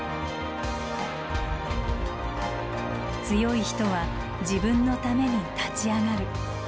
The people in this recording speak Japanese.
「強い人は自分のために立ち上がる。